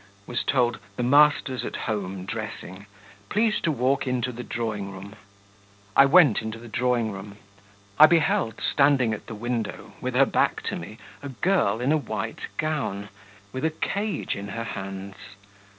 was told, 'The master's at home, dressing; please to walk into the drawing room.' I went into the drawing room; I beheld standing at the window, with her back to me, a girl in a white gown, with a cage in her hands.